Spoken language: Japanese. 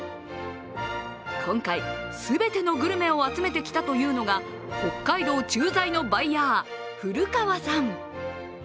今回全てのグルメを集めてきたというのが北海道駐在のバイヤー、古川さん。